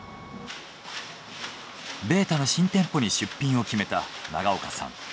ベータの新店舗に出品を決めた長岡さん。